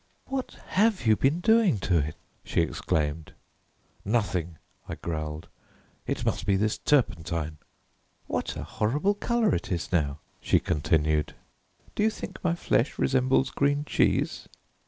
"What have you been doing to it?" she exclaimed "Nothing," I growled, "it must be this turpentine!" "What a horrible colour it is now," she continued. "Do you think my flesh resembles green cheese?"